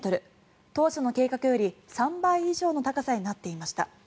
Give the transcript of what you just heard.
当初の計画より３倍以上の高さになっていました。